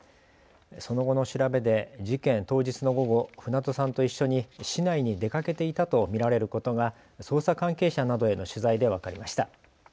その後の調べで事件当日の午後、船戸さんと一緒に市内に出かけていたと見られることが捜査関係者などへの取材で分かりました。